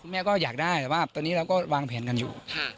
แม่ก็อยากได้แต่ว่าตอนนี้เราก็วางแผนกันอยู่